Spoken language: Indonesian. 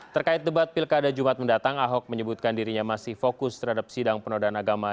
terkait debat pilkada jumat mendatang ahok menyebutkan dirinya masih fokus terhadap sidang penodaan agama